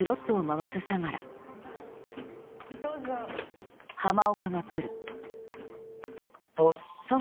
・どうぞ・おっす。